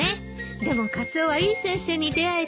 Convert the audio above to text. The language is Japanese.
でもカツオはいい先生に出会えて幸せね。